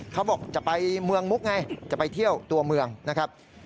เขาบอกจะไปเมืองมุกไงจะไปเที่ยวตัวเมืองนะครับ